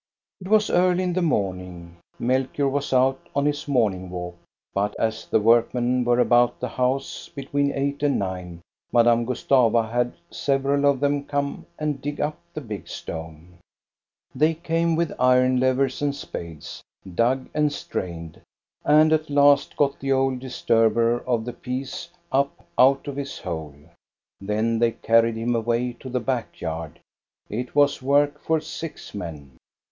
It was early in the morning. Melchior was out on his morning walk, but as the workmen were about the house between eight and nine, Madame Gustava had several of them come and dig up the big stone. / OLD SONGS 361 They came with iron levers and spades, dug and strained, and at last got the old disturber of the peace up out of his hole. Then they carried him away to the back yard. It was work for six men.